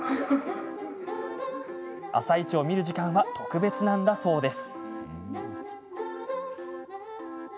「あさイチ」を見る時間は特別なんだそうです。